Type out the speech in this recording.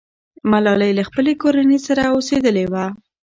ملالۍ له خپلې کورنۍ سره اوسېدلې وه.